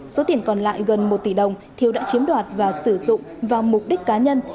số tiền còn lại gần một tỷ đồng thiếu đã chiếm đoạt và sử dụng vào mục đích cá nhân